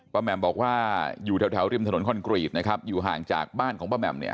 แหม่มบอกว่าอยู่แถวริมถนนคอนกรีตนะครับอยู่ห่างจากบ้านของป้าแหม่มเนี่ย